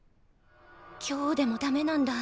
「強」でもダメなんだ。